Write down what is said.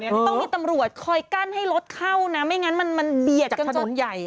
ต้องมีตำรวจคอยกั้นให้รถเข้านะไม่งั้นมันเบียดจากถนนใหญ่